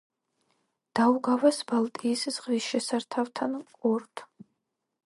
დაუგავას ბალტიის ზღვის შესართავთან, კოორდ.